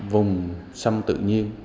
vùng sâm tự nhiên